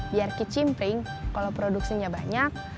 biar kicimpring kalau produksinya banyak